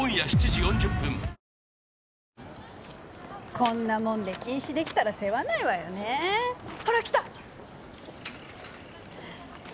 こんなもんで禁止できたら世話ないわよねほら来たっ！